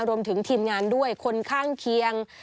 รวมถึงทีมงานด้วยคนข้างเคียง